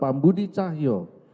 pada sekitar tanggal sebelas